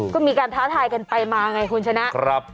ก็มีการท้าทายกันไปมาไงคุณชนะ